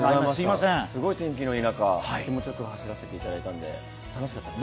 すごい天気いい中、気持ちよく走らせていただいたので楽しかったです。